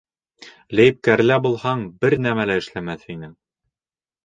— Лейб-кәрлә булһаң, бер нәмә лә эшләмәҫ инең!